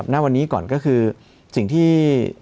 ณวันนี้ก่อนก็คือสิ่งที่